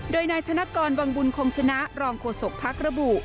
โดยนายธนกรวังบุญคงชนะรองโฆษกภักดิ์ระบุ